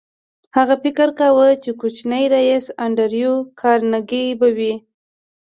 هغه فکر نه کاوه چې کوچنی ريیس انډریو کارنګي به وي